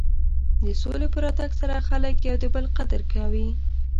د سولې په راتګ سره خلک د یو بل قدر کوي.